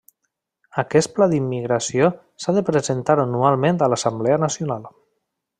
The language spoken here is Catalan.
Aquest pla d'immigració s'ha de presentar anualment a l'Assemblea Nacional.